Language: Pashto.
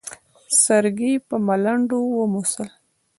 سرګي په ملنډو وموسل.